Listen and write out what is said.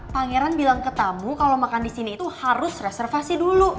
pangeran bilang ke tamu kalo makan disini itu harus reservasi dulu